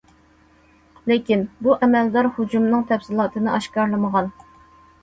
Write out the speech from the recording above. لېكىن، بۇ ئەمەلدار ھۇجۇمنىڭ تەپسىلاتىنى ئاشكارىلىمىغان.